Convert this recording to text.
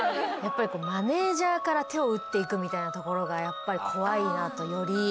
やっぱりこうマネージャーから手を打っていくみたいなところがやっぱり怖いなとより。